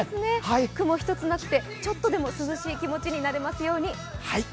雲一つなくて、ちょっとでも涼しい気持ちになれますように。